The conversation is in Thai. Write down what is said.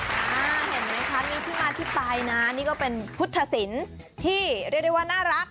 เห็นไหมคะมีที่มาที่ไปนะนี่ก็เป็นพุทธศิลป์ที่เรียกได้ว่าน่ารัก